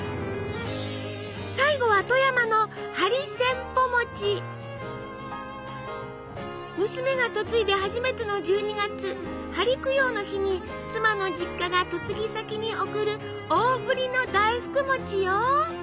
最後は富山の娘が嫁いで初めての１２月針供養の日に妻の実家が嫁ぎ先に贈る大ぶりの大福餅よ！